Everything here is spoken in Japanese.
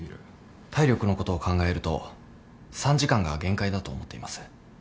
体力のことを考えると３時間が限界だと思っています。